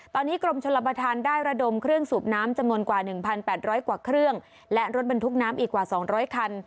ตอนนี้กรมชลประธานได้ระดมเครื่องสูบน้ำจำนวนกว่า๑๘๐๐กว่าเครื่องและรถบรรทุกน้ำอีกกว่า๒๐๐คัน